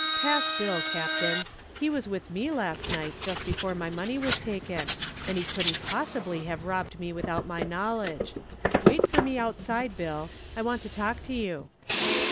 "Pass Bill, Captain. He was with me last night just before my money was taken, and he couldn't possibly have robbed me without my knowledge. Wait for me outside, Bill. I want to talk to you.